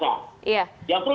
jadi kita harus mengingat